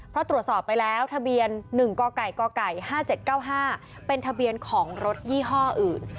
เพราะตรวจสอบไปแล้วทะเบียน๑กก๕๗๙๕เป็นทะเบียนของรถยี่ห้ออื่น